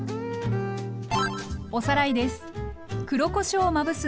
おさらいです。